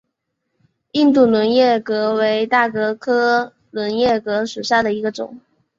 印度轮叶戟为大戟科轮叶戟属下的一个种。